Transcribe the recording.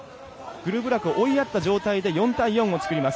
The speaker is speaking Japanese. グルブラクを追いやった状態で４対４をつくります。